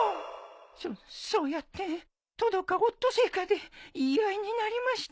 そそうやってトドかオットセイかで言い合いになりまして。